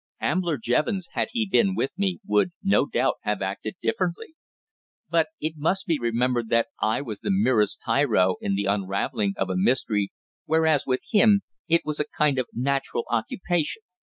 Ambler Jevons, had he been with me, would, no doubt, have acted differently. But it must be remembered that I was the merest tyro in the unravelling of a mystery, whereas, with him, it was a kind of natural occupation.